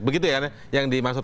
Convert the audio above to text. begitu ya yang dimaksud